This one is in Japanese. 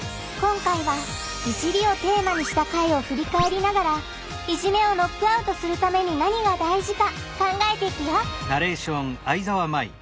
今回は「いじり」をテーマにした回をふりかえりながらいじめをノックアウトするために何が大事か考えていくよ